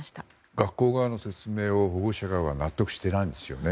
学校側の説明を保護者らは納得していないですよね。